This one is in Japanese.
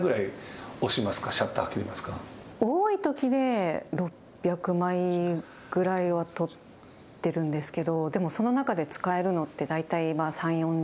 多いときで６００枚ぐらいは撮ってるんですけどでも、その中で使えるのって大体３０４０枚。